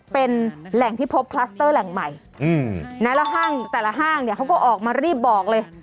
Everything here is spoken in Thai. เป็นแหล่งที่พบคลัสเตอร์แหล่งใหม่แล้วห้างแต่ละห้างเนี่ยเขาก็ออกมารีบบอกเลย